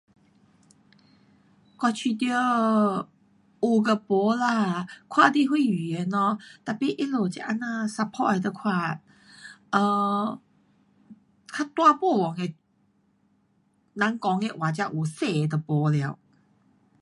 我觉得有跟没啦。看你哪语言咯，tapi 他们这啊那 suppose 啊得看 um 较大部分的人讲的话才有小的就没了。